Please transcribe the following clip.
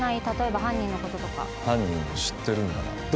例えば犯人のこととか犯人を知ってるんだな・